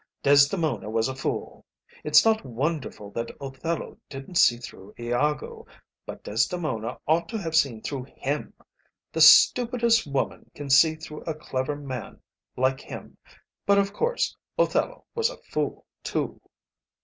Desdemona was a fool. It's not wonderful that Othello didn't see through Iago; but Desdemona ought to have seen through him. The stupidest woman can see through a clever man like him; but, of course, Othello was a fool too."